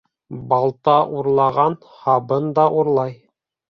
Балта урлаған һабын да урлай.